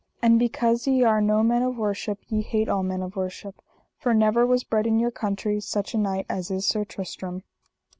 And because ye are no men of worship ye hate all men of worship, for never was bred in your country such a knight as is Sir Tristram.